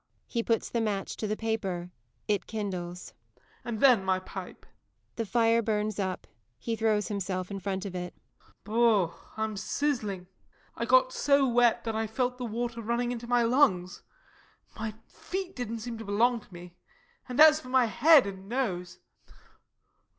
[He puts the match to the paper it kindles.] And then my pipe. [The fire burns up; he throws himself in front of it.] Boo o oh, I'm sizzling.... I got so wet that I felt the water running into my lungs my feet didn't seem to belong to me and as for my head and nose!